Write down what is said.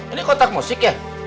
ini kotak musik ya